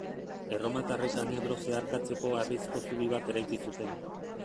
Erromatarrek han Ebro zeharkatzeko harrizko zubi bat eraiki zuten.